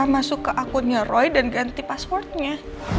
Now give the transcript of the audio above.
masuk ke akunnya roy dan ganti passwordnya